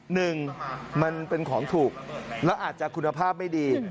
หนึ่งมันเป็นของถูกแล้วอาจจะคุณภาพไม่ดี